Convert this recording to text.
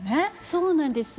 そうなんです。